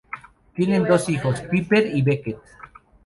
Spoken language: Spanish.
Tienen dos hijos, Piper y Beckett.